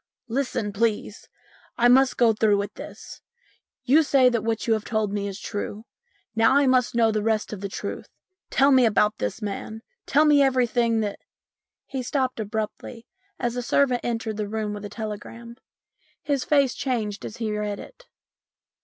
"Listen, please. I must go through with this. You say that what you have told me is true. Now I must know the rest of the truth. Tell me about this man. Tell me everything that " He stopped abruptly as a servant entered the room with a telegram. His face changed as he read it.